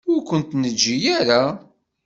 Ur kent-neǧǧi ara.